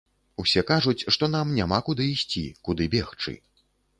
Усе кажуць, што нам няма куды ісці, куды бегчы.